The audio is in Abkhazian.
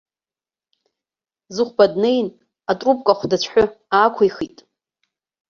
Зыхәба днеин атрубка хәдацәҳәы аақәихит.